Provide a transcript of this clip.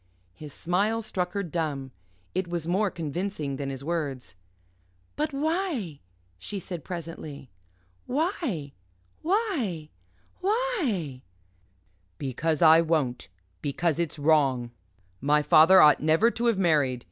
His smile struck her dumb. It was more convincing than his words. "But why?" she said presently. "Why why why?" "Because I won't; because it's wrong. My father ought never to have married.